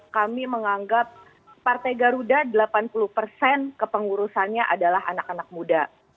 kami menganggap partai garuda delapan puluh persen kepengurusannya adalah anak anak muda